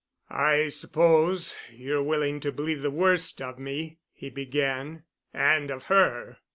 "I suppose you're willing to believe the worst of me," he began, "and of her.